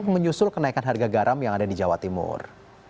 menyusul kenaikan harga garam yang ada di jawa timur